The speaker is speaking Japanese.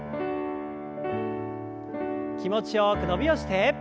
気持ちよく伸びをして。